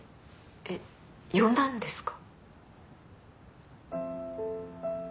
えっ呼んだんですか？